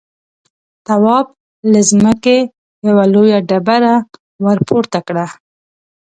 تواب له ځمکې يوه لويه ډبره ورپورته کړه.